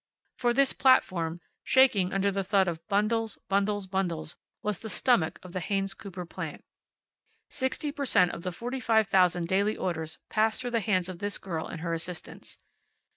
For this platform, shaking under the thud of bundles, bundles, bundles, was the stomach of the Haynes Cooper plant. Sixty per cent of the forty five thousand daily orders passed through the hands of this girl and her assistants.